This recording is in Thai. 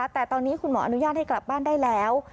แต่ตอนนี้คุณหมออนุญาตให้กลับบ้านได้แล้ว